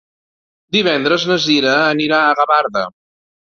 Divendres na Sira anirà a Gavarda.